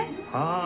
ああ。